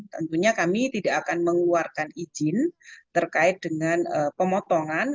tentunya kami tidak akan mengeluarkan izin terkait dengan pemotongan